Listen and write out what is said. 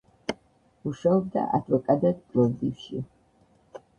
მუშაობდა ადვოკატად პლოვდივში.